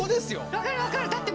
だから分かった！